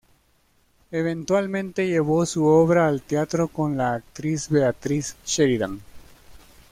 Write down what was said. Eventualmente llevó su obra al teatro con la actriz Beatriz Sheridan.